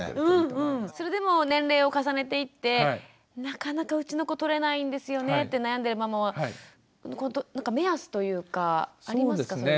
それでも年齢を重ねていって「なかなかうちの子とれないんですよね」って悩んでるママはなんか目安というかありますか？